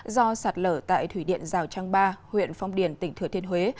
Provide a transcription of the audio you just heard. do sạt lở tại thủy điện rào trăng ba huyện phong điền tỉnh thừa thiên huế